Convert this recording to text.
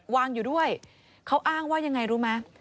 วางอยู่ด้วยเขาอ้างว่ายังไงรู้ไหม